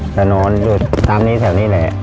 จะนอนอยู่ตามนี้แถวนี้แหละ